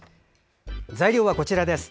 材料はこちらです。